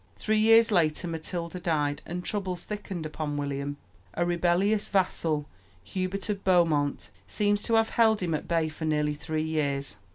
Three years later Matilda died, and troubles thickened upon William. A rebellious vassal, Hubert of Beaumont, seems to have held him at bay for nearly three years.